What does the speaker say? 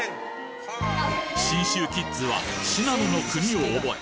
信州キッズは『信濃の国』を覚え